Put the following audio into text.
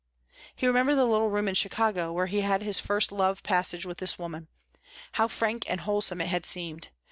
He remembered the little room in Chicago where he had his first love passage with this woman. How frank and wholesome it had seemed.